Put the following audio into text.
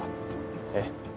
えっ？